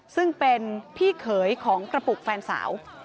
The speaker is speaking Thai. ซึ่งเป็นพี่เขยของกระปุกแฟนสาว